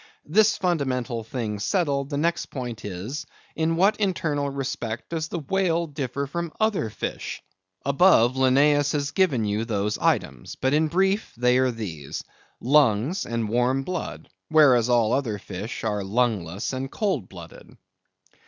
This fundamental thing settled, the next point is, in what internal respect does the whale differ from other fish. Above, Linnæus has given you those items. But in brief, they are these: lungs and warm blood; whereas, all other fish are lungless and cold blooded.